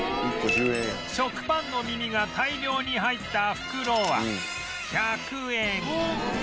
食パンの耳が大量に入った袋は